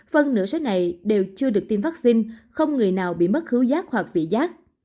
phần nửa số này đều chưa được tiêm vaccine không người nào bị mất hữu giác hoặc vị giác